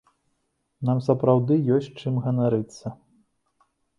Нам сапраўды ёсць чым ганарыцца.